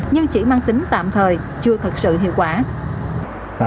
nhưng chỉ mang tính tạm thời chưa thật sự hiệu quả